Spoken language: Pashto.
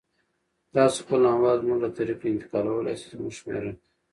تاسو خپل اموال زموږ له طریقه انتقالولای سی، زموږ شمیره